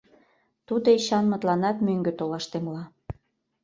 Тудо Эчанмытланат мӧҥгӧ толаш темла